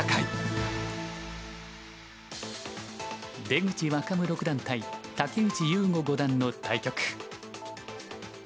出口若武六段対竹内雄悟五段の対局。